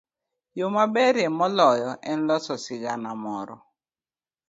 Yo maberie moloyo en loso sigana moro.